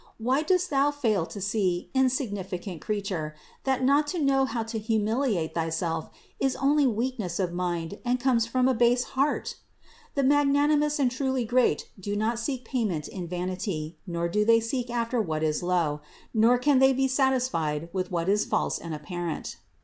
Why dost thou fail to see, insignificant creature, that not to know how to humiliate thyself is only weakness of mind and comes from a base heart? The magnanimous and truly great do not seek payment in vanity, nor do they seek after what is low, nor can they be satisfied with what is false and apparent.